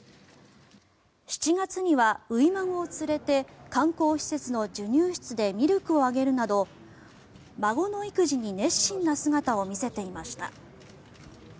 ７月には初孫を連れて観光施設の授乳室でミルクをあげるなど孫の育児に熱心な姿を見せていました。